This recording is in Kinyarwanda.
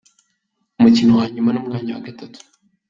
Umukino wa nyuma n’umwanya wa Gatatu.